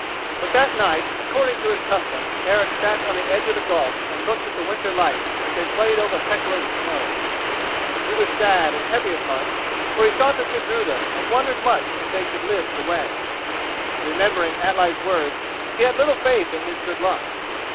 But that night, according to his custom, Eric sat on the edge of the gulf and looked at the winter lights as they played over Hecla's snows. He was sad and heavy at heart, for he thought of Gudruda and wondered much if they should live to wed. Remembering Atli's words, he had little faith in his good luck.